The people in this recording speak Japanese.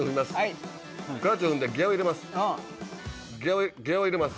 ギアを入れます。